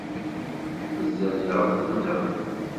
فَالزّاجِراتِ زَجرًا